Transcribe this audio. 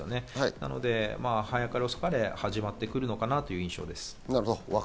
なので、遅かれ早かれ始まってくるのかなという印象です。